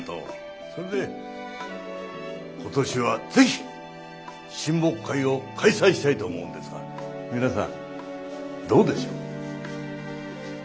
それで今年はぜひ親睦会を開催したいと思うんですが皆さんどうでしょう？